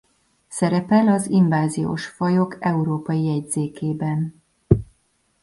Szerepel az inváziós fajok európai jegyzékében.